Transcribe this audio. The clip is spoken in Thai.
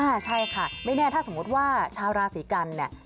ใช่ค่ะไม่แน่ถ้าสมมุติว่าชาวราศีกันเนี่ย